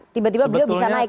tiba tiba beliau bisa naik